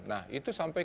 nah itu sampai